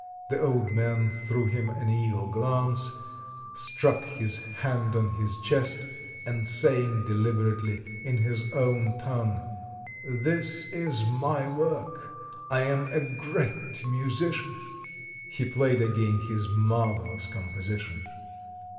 The old man threw him an eagle glance, struck his hand on his chest and saying deliberately in his own tongue, "This is my work, I am a great musician," he played again his marvellous composition.